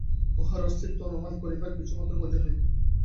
উহার অস্তিত্ব অনুমান করিবার কিছুমাত্র প্রয়োজন নাই।